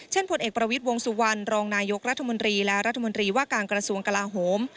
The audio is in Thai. ผลเอกประวิทย์วงสุวรรณรองนายกรัฐมนตรีและรัฐมนตรีว่าการกระทรวงกลาโหม